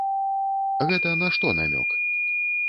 Гэта на што намёк?